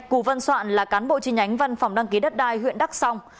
cù văn soạn là cán bộ chi nhánh văn phòng đăng ký đất đai huyện đắk song